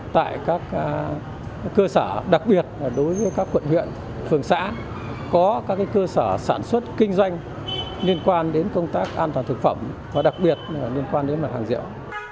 tại các cơ sở đặc biệt đối với các quận huyện phường xã có các cơ sở sản xuất kinh doanh liên quan đến công tác an toàn thực phẩm và đặc biệt liên quan đến mặt hàng rượu